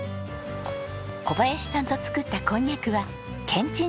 小林さんと作ったこんにゃくはけんちん汁に。